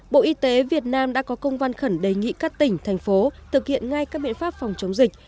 bộ y tế việt nam đã có công văn khẩn đề nghị các tỉnh thành phố thực hiện ngay các biện pháp phòng chống dịch